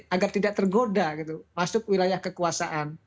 agar tidak tergoda gitu masuk wilayah kekuasaan